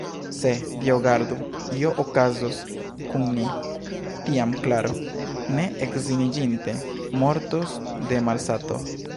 Se, Dio gardu, io okazos kun ni, tiam Klaro, ne edziniĝinte, mortos de malsato!